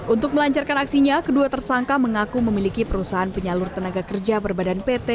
untuk melancarkan aksinya kedua tersangka mengaku memiliki perusahaan penyalur tenaga kerja berbadan pt